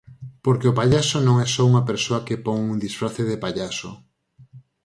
Porque o pallaso non é só unha persoa que pon un disfrace de pallaso.